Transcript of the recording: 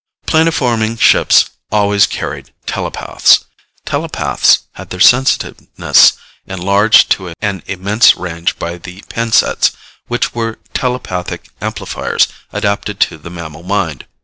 Planoforming ships always carried telepaths. Telepaths had their sensitiveness enlarged to an immense range by the pin sets, which were telepathic amplifiers adapted to the mammal mind.